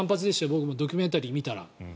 僕もドキュメンタリー見たら。